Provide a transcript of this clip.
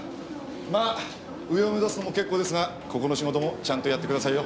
まあ上を目指すのも結構ですがここの仕事もちゃんとやってくださいよ。